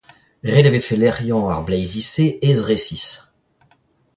Ret e vefe lec'hiañ ar bleizi-se ez resis.